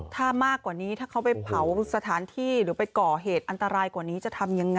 ถ้ามากกว่านี้ถ้าเขาไปเผาสถานที่หรือไปก่อเหตุอันตรายกว่านี้จะทำยังไง